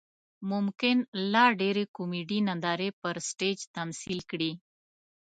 ممکن لا ډېرې کومیډي نندارې پر سټیج تمثیل کړي.